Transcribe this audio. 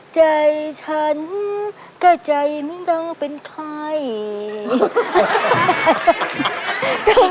ใจฉันก็ใจมึงดังเป็นใคร